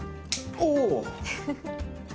おお。